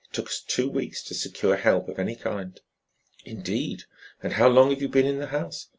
It took us two weeks to secure help of any kind." "Indeed! and how long have you been in the house?